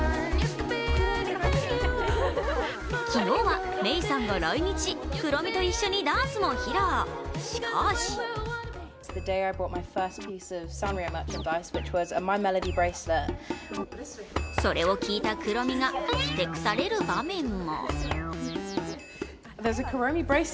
昨日はメイさんが来日、クロミと一緒にダンスも披露、しかしそれを聞いたクロミがふてくされる場面も。